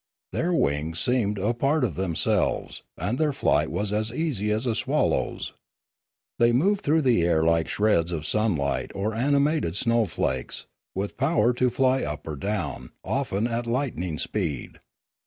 Their wings seemed a part of them selves, and their flight was as easy as a swallow's. They moved through the air like shreds of sunlight or animated snowflakes, with power to fly up or down, often at lightning speed.